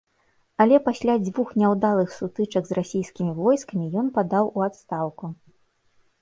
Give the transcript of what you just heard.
Але пасля дзвюх няўдалых сутычак з расійскімі войскамі ён падаў у адстаўку.